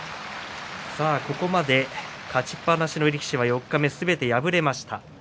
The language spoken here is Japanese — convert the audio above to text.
ここまで勝ちっぱなしの力士は四日目、すべて敗れました。